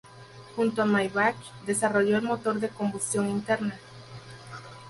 Junto a Maybach desarrolló el motor de combustión interna.